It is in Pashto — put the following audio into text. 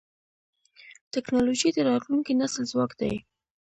ټکنالوجي د راتلونکي نسل ځواک دی.